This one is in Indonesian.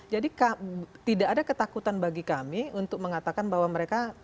jadi tidak ada ketakutan bagi kami untuk mengatakan bahwa mereka